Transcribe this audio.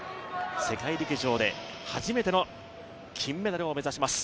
世界陸上で初めての金メダルを目指します。